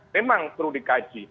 memang perlu dikaji